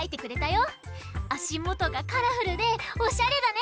あしもとがカラフルでおしゃれだね！